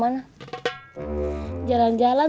terpaksa saya sama kang mus balik lagi